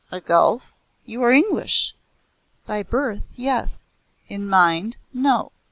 "A gulf? You are English." "By birth, yes. In mind, no.